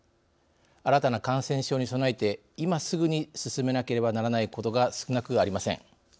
新たな感染症に備えて今すぐに進めなければならないことが少なくありません。